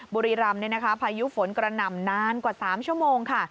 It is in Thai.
บุรีรำพายุฝนกระหน่ำนานกว่า๓ชั่วโมงค่ะ